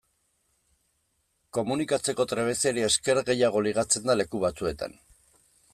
Komunikatzeko trebeziari esker gehiago ligatzen da leku batzuetan.